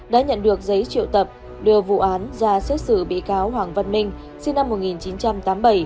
đã nhận được giấy triệu tập đưa vụ án ra xét xử bị cáo hoàng văn minh sinh năm một nghìn chín trăm tám mươi bảy